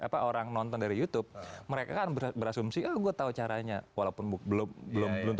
apa orang nonton dari youtube mereka kan berasumsi ah gue tahu caranya walaupun belum belum belum